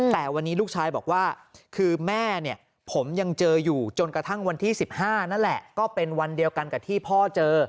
แต่วันนี้ลูกชายบอกว่าคือแม่เนี่ยผมยังเจออยู่จนกระทั่งวันที่๑๕นั่นแหละก็เป็นวันเดียวกันกับที่พ่อเจอ